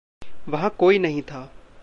वहाँ कोई नहीं था।